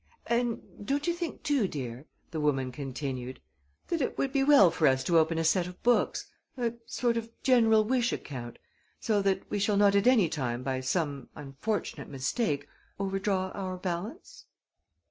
"And don't you think, too, dear," the woman continued, "that it would be well for us to open a set of books a sort of General Wish Account so that we shall not at any time by some unfortunate mistake overdraw our balance?"